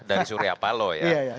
dari surya palo ya